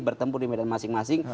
bertempur di medan masing masing